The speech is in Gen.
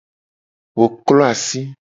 Wo klo asi.